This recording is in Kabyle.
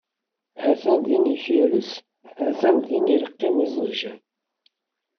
Ha-t-an da iferres, ha-t-an dihin ileqqem iẓebbjan.